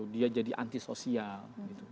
dia jadi anti sosial gitu